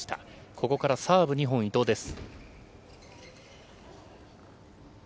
ここからサーブ２本、伊藤です。